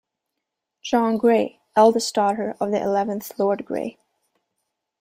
Jean Gray, eldest daughter of the eleventh Lord Gray.